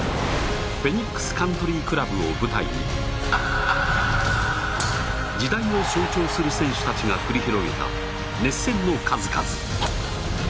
フェニックスカントリークラブを舞台に時代を象徴する選手たちが繰り広げた熱戦の数々。